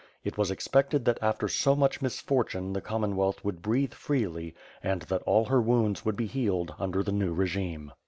It waa expected that after so much misfortune the Commonwealth would breathe freely and that all her wounds would be healed under the new regime.